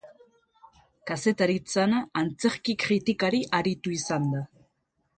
Kazetaritzan antzerki kritikari aritu izan da.